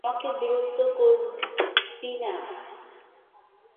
আমাকে বিরক্ত করবি না!